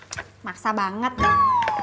ck maksa banget toh